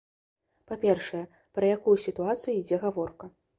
Па-першае, пра якую сітуацыю ідзе гаворка?